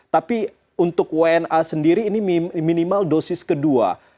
tapi untuk wna sendiri ini minimal dosis kedua